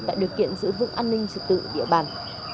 đã được kiện giữ vững an ninh trật tự địa bàn